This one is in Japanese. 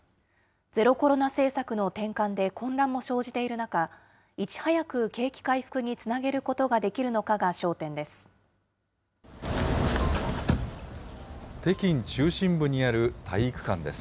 ゼロコロナ政策の転換で混乱も生じている中、いち早く景気回復につなげることができるのかが焦点です。